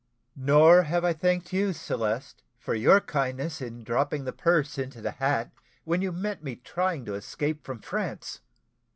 "Nor have I thanked you, Celeste, for your kindness in dropping the purse into the hat, when you met me trying to escape from France.